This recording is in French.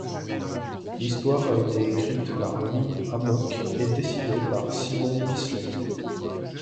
L'histoire a été écrite par Lee Hammock et dessinée par Simon Bisley.